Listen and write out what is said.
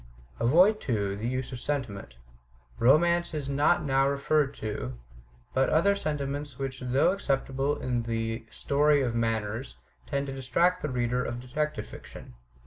Avoid, too, the use of sentiment. Romance is not now referred to; but other sentiments which though acceptable in the "story of manners," tend to distract the reader of detective fiction.